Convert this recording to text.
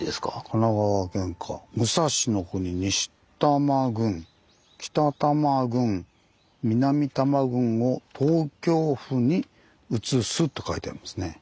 「神奈川県下武蔵国西多摩郡北多摩郡南多摩郡を東京府に移す」と書いてありますね。